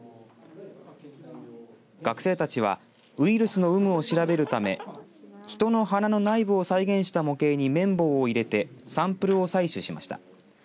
学生たちはウイルスの有無を調べるため人の鼻の内部を再現した模型に綿棒を入れてサンプルを採取しました。